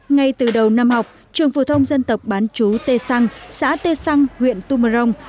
ngay từ đầu năm học trường phổ thông dân tộc bán chú tê săng xã tê săng huyện tumarong